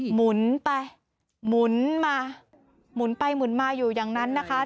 หมุนไปหมุนมาหมุนไปหมุนมาอยู่อย่างนั้นนะคะ